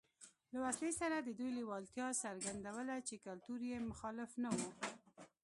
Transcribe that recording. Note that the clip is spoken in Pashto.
له وسلې سره د دوی لېوالتیا څرګندوله چې کلتور یې مخالف نه و